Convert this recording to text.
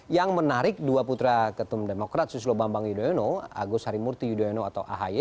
yang menarik dua putra ketum demokrat susilo bambang yudhoyono agus harimurti yudhoyono atau ahy